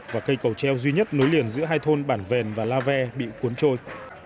và cây cầu treo duy nhất nối liền giữa hai thôn bản vèn và la ve bị cuốn trôi